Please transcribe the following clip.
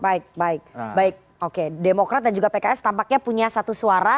baik baik oke demokrat dan juga pks tampaknya punya satu suara